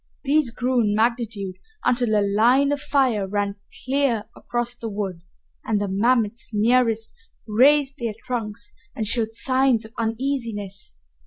These grew in magnitude until a line of fire ran clear across the wood, and the mammoths nearest raised their trunks and showed signs of uneasiness.